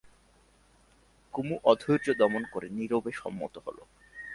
কুমু অধৈর্য দমন করে নীরবে সম্মত হল।